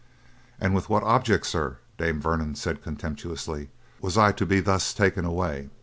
"And with what object, sir," Dame Vernon said contemptuously, "was I to be thus taken away?"